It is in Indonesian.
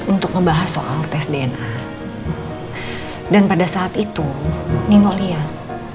untuk ngebahas soal tes dna dan pada saat itu nino lihat